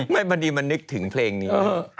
พอดีมันนึกถึงเพลงนี้